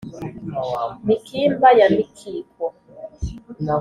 mikimba ya mikiko